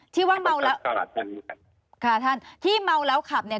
ที่ว่าเมาแล้วค่ะท่านที่เมาแล้วขับเนี่ย